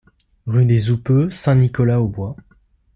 Rue des Houppeux, Saint-Nicolas-aux-Bois